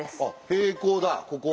平行だここは。